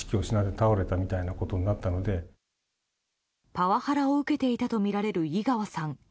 パワハラを受けていたとみられる井川さん。